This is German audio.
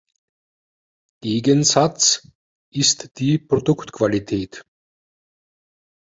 Gegensatz ist die Produktqualität.